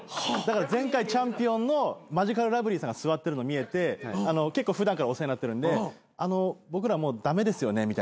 だから前回チャンピオンのマヂカルラブリーさんが座ってるの見えて結構普段からお世話になってるんで僕らもう駄目ですよね？